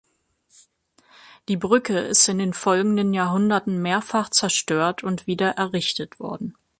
Die Brücke ist in den folgenden Jahrhunderten mehrfach zerstört und wieder errichtet worden.